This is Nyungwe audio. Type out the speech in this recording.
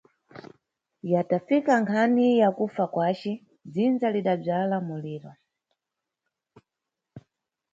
Yatafika nkhani ya kufa kwace, dzinza lidabvala muliro.